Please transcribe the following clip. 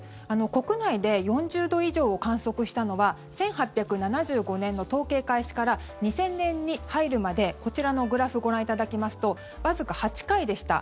国内で４０度以上を観測したのは１８７５年の統計開始から２０００年に入るまでこちらのグラフご覧いただきますとわずか８回でした。